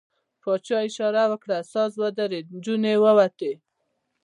پاچا اشاره وکړه، ساز ودرېد، نجونې ووتې.